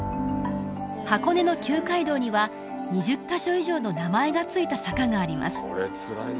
箱根の旧街道には２０カ所以上の名前が付いた坂があります